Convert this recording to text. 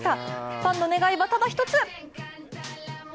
ファンの願いはただ一つ。